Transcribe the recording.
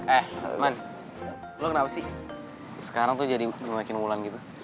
eh mad lo kenapa sih sekarang tuh jadi makin wulan gitu